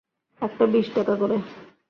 একটা বিশ টাকা করে।